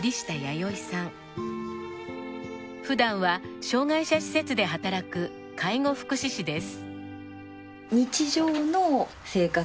普段は障害者施設で働く介護福祉士です。